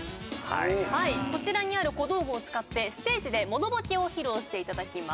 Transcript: こちらにある小道具を使ってステージでモノボケを披露していただきます。